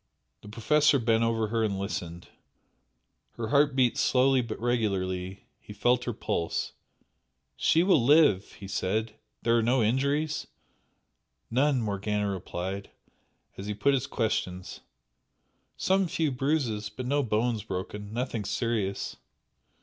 The Professor bent over her and listened, her heart beat slowly but regularly, he felt her pulse. "She will live!" he said "There are no injuries?" "None" Morgana replied, as he put his questions "Some few bruises but no bones broken nothing serious."